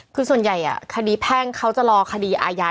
คือส่วนใหญ่คดีแพ่งเขาจะรอคดีอาญา